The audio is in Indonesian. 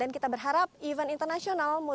dan kita berharap event internasional